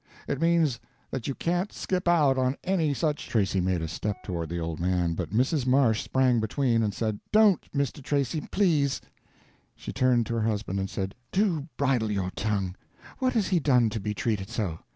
It means that you can't skip out on any such—" Tracy made a step toward the old man, but Mrs. Marsh sprang between, and said: "Don't, Mr. Tracy, please." She turned to her husband and said, "Do bridle your tongue. What has he done to be treated so?